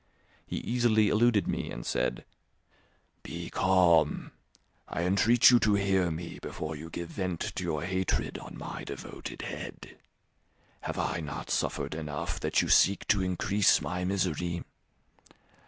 He easily eluded me and said, "Be calm! I entreat you to hear me before you give vent to your hatred on my devoted head. Have I not suffered enough, that you seek to increase my misery?